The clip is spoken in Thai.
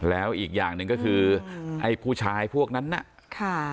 แล้วอีกอย่างหนึ่งก็คือไอ้ผู้ชายพวกนั้นน่ะค่ะ